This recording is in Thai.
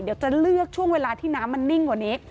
เดี๋ยวจะเลือกช่วงเวลาที่น้ำมันนิ่งกว่านี้